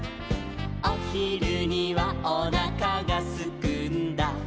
「おひるにはおなかがすくんだ」